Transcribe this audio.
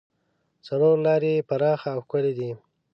څلور لارې یې پراخه او ښکلې دي.